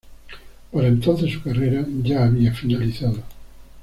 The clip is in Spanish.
Para entonces su carrera ya había finalizado.